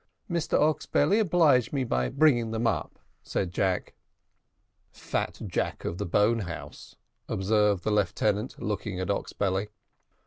"Mr Oxbelly, oblige me by bringing them up," said Jack. "Fat Jack of the bone house," observed the lieutenant, looking at Oxbelly.